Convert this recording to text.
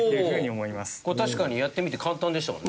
これ確かにやってみて簡単でしたもんね。